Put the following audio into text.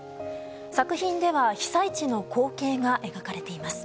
作品では被災地の光景が描かれています。